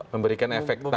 memberikan efek tadi itu ya